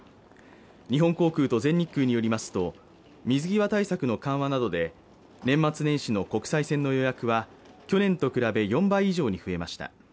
日本航空と全日空によりますと水際対策の緩和などで年末年始の国際線の予約は去年と比べ４倍以上に増えました。